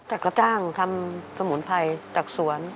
จักรตั้งทำสมุนไพรจากสวน